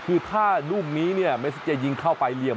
คือถ้าลูกนี้เนี่ยเมซิเจยิงเข้าไปเหลี่ยม